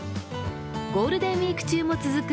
ゴールデンウイーク中も続く